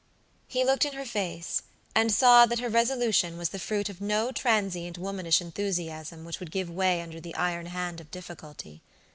He looked in her face, and saw that her resolution was the fruit of no transient womanish enthusiasm which would give way under the iron hand of difficulty.